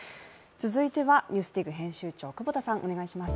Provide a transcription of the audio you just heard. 続いては、「ＮＥＷＳＤＩＧ」編集長久保田さん、お願いします。